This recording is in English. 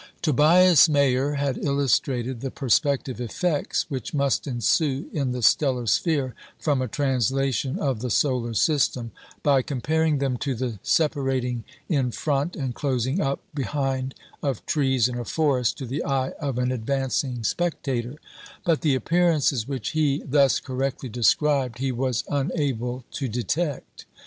Tobias Mayer had illustrated the perspective effects which must ensue in the stellar sphere from a translation of the solar system, by comparing them to the separating in front and closing up behind of trees in a forest to the eye of an advancing spectator; but the appearances which he thus correctly described he was unable to detect.